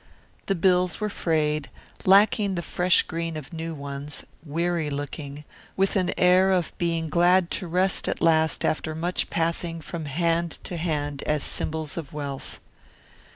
The bills were frayed, lacking the fresh green of new ones; weary looking, with an air of being glad to rest at last after much passing from hand to hand as symbols of wealth.